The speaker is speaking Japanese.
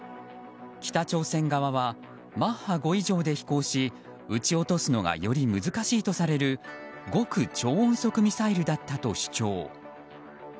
北朝鮮側はマッハ５以上で飛行し撃ち落とすのがより難しいとされる極超音速ミサイルだったと主張。